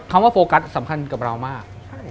คำว่าโฟกัสสำคัญกับเรามาก